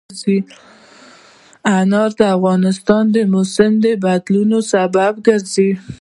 انار د افغانستان د موسم د بدلون سبب کېږي.